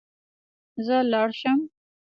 زه لاړ شم